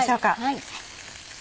はい。